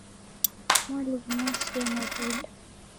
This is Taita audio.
Mwalumu wasia mavuda.